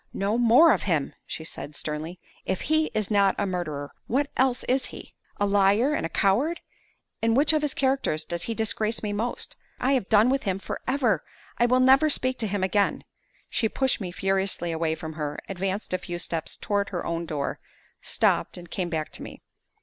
"No more of him!" she said, sternly. "If he is not a murderer, what else is he? A liar and a coward! In which of his characters does he disgrace me most? I have done with him forever! I will never speak to him again!" She pushed me furiously away from her; advanced a few steps toward her own door; stopped, and came back to me.